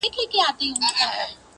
دا مې ده بس چې سرکوزى يې رابخښلې نۀ ده